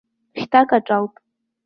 Хьҭак аҿалт.